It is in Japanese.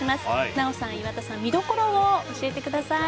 奈緒さん、岩田さん見どころを教えてください。